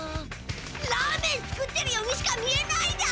ラーメン作ってるようにしか見えないだ！